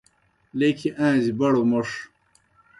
لیکھیْ آݩزیْ، بڑوْ موْݜ